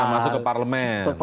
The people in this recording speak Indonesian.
masuk ke parlemen